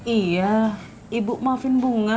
iya ibu maafin bunga